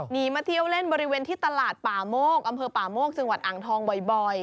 มาเที่ยวเล่นบริเวณที่ตลาดป่าโมกอำเภอป่าโมกจังหวัดอ่างทองบ่อย